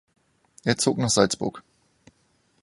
Er zog nach Salzburg.